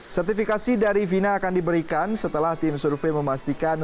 sertifikasi dari vina akan diberikan setelah tim survei memastikan